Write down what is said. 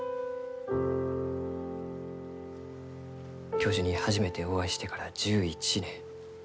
教授に初めてお会いしてから１１年。